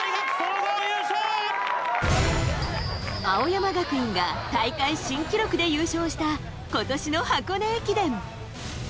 青山学院が大会新記録で優勝した今年の箱根駅伝。